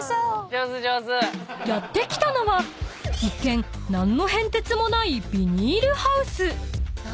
［やって来たのは一見何の変哲もないビニールハウス］